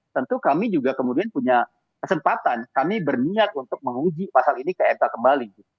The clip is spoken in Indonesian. tentu kami juga kemudian punya kesempatan kami berniat untuk menguji pasal ini ke mk kembali